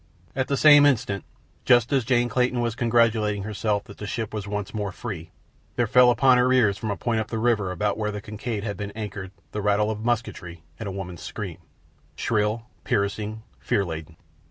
At the same instant, just as Jane Clayton was congratulating herself that the ship was once more free, there fell upon her ears from a point up the river about where the Kincaid had been anchored the rattle of musketry and a woman's scream—shrill, piercing, fear laden.